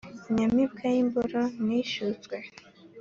l nyamibwa y"i mboro ni ishyutswe